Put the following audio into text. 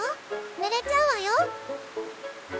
ぬれちゃうわよ！」。